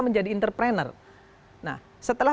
menjadi entrepreneur nah setelah